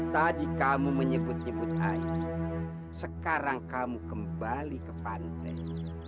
tadi kamu menyebut nyebut air sekarang kamu kembali ke pantai